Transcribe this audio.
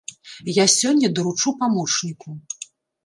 Я сёння даручу памочніку.